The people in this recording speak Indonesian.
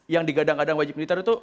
yang digadang gadang wajib militer itu